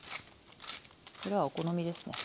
これはお好みですね。